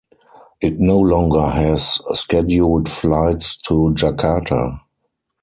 It no longer has scheduled flights to Jakarta.